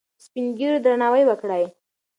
د سپین ږیرو درناوی وکړئ.